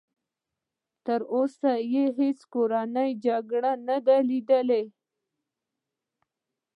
تر اوسه یې هېڅ کورنۍ جګړه نه ده لیدلې.